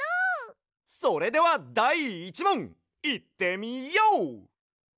それではだい１もんいってみＹＯ！